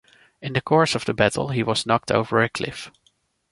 In the course of the battle he was knocked over a cliff.